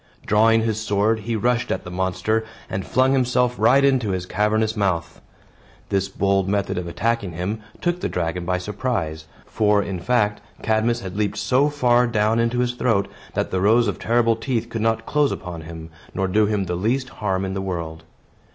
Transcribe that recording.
Drawing his sword, he rushed at the monster, and flung himself right into his cavernous mouth. This bold method of attacking him took the dragon by surprise; for, in fact, Cadmus had leaped so far down into his throat, that the rows of terrible teeth could not close upon him, nor do him the least harm in the world.